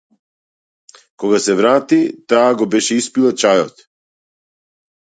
Кога се врати таа го беше испила чајот.